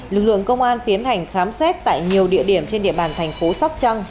lực lượng công an tiến hành khám xét tại nhiều địa điểm trên địa bàn thành phố sóc trăng